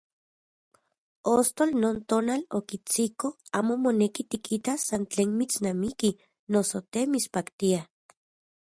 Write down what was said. Ostotl non tonal okitsiko amo moneki tikitas san tlen mitsnamiki noso te mitspaktia.